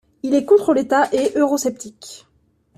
Il est contre l'État et eurosceptique.